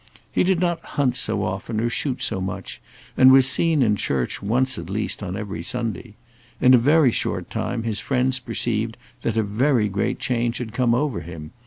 He did not hunt so often or shoot so much, and was seen in church once at least on every Sunday. In a very short time his friends perceived that a very great change had come over him.